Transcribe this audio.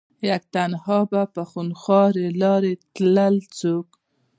يک تنها به په خونخوارې لارې تلل څوک